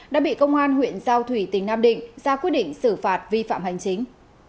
đã bị công an huyện giao thủy tỉnh nam định ra quyết định xử phạt vi phạm hành chính